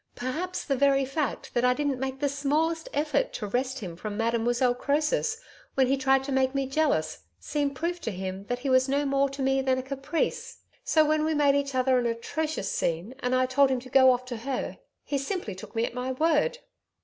Perhaps the very fact that I didn't make the smallest effort to wrest him from Mademoiselle Croesus when he tried to make me jealous seemed proof to him that he was no more to me than a caprice. So, when we made each other an atrocious scene and I told him to go off to her, he simply took me at my word.